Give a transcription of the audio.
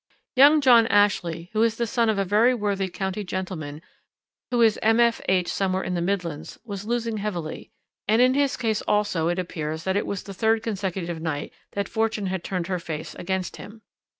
"Young John Ashley, who is the son of a very worthy county gentleman who is M.F.H. somewhere in the Midlands, was losing heavily, and in his case also it appears that it was the third consecutive night that Fortune had turned her face against him.